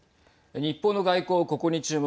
日本の外交、ここに注目。